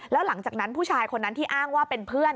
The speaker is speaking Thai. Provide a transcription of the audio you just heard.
แล้วหลังจากนั้นผู้ชายคนนั้นที่อ้างว่าเป็นเพื่อน